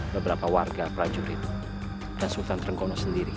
beberapa warga prajurit dan sultan trenggono sendiri